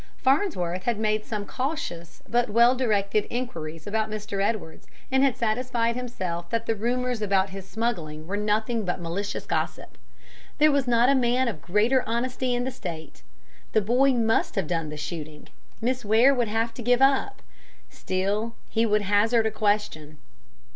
Farnsworth had made some cautious but well directed inquiries about Mr. Edwards, and had satisfied himself that the rumors about his smuggling were nothing but malicious gossip. There was not a man of greater honesty in the state. The boy must have done the shooting. Miss Ware would have to give it up. Still, he would hazard a question.